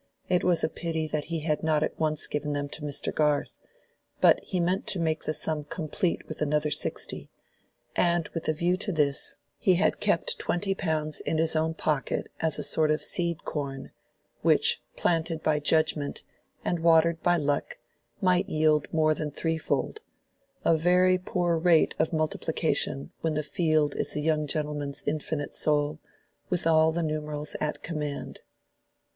It was a pity that he had not at once given them to Mr. Garth; but he meant to make the sum complete with another sixty, and with a view to this, he had kept twenty pounds in his own pocket as a sort of seed corn, which, planted by judgment, and watered by luck, might yield more than threefold—a very poor rate of multiplication when the field is a young gentleman's infinite soul, with all the numerals at command.